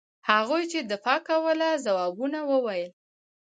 هغوی چې دفاع کوله ځوابونه وویل.